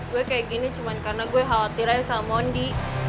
gue kayak gini cuma karena gue khawatir aja salmondi